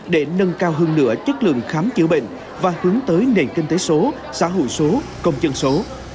để nâng cao hơn nữa chất lượng khám chữa bệnh và hướng tới nền kinh tế số xã hội số công dân số